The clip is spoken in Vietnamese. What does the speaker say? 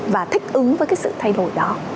và thích ứng với cái sự thay đổi đó